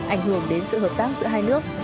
ảnh hưởng đến sự hợp tác giữa hai nước